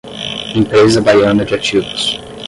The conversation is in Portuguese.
Empresa Baiana de Ativos